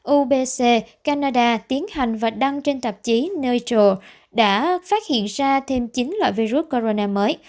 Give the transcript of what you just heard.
ubc canada tiến hành và đăng trên tạp chí nature đã phát hiện ra thêm chín loại virus corona mới